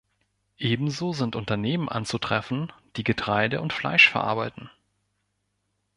Ebenso sind Unternehmen anzutreffen, die Getreide und Fleisch verarbeiten.